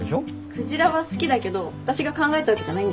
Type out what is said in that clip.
鯨は好きだけど私が考えたわけじゃないんだよね。